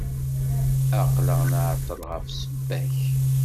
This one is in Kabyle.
Aql-aɣ nεeṭṭel ɣef ssebba-k.